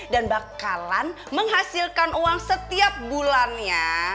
dan bakalan menghasilkan uang setiap bulannya